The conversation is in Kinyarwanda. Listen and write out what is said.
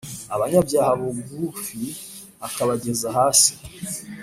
abanyabyaha bugufi akabageza hasi